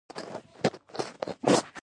تاسو ته د ورور په نوم غږ کوي.